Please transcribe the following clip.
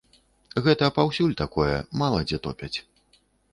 Гэта паўсюль такое, мала дзе топяць.